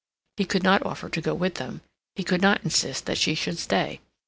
He could not offer to go with them. He could not insist that she should stay.